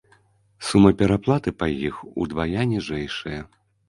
Сума пераплаты па іх удвая ніжэйшая.